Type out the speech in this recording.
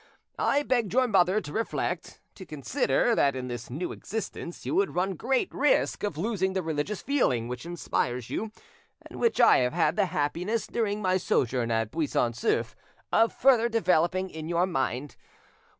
I begged your mother to reflect, to consider that in this new existence you would run great risk of losing the religious feeling which inspires you, and which I have had the happiness, during my sojourn at Buisson Souef, of further developing in your mind.